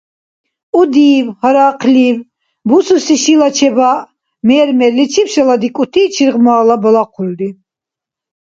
Удиб, гьарахълиб, бусуси шила чебаъ мер-мерличир шаладикӀути чиргъмали балахъулри.